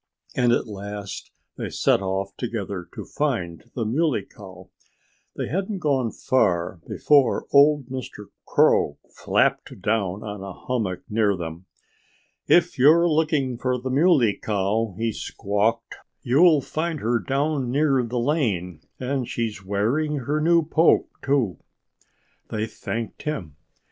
And at last they set off together to find the Muley Cow. They hadn't gone far before old Mr. Crow flapped down on a hummock near them. "If you're looking for the Muley Cow," he squawked, "you'll find her down near the lane. And she's wearing her new poke, too." They thanked him.